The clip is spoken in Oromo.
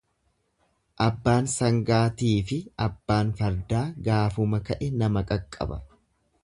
Abbaan sangaatiifi abbaan fardaa gaafuma ka'e nama qaqqaba.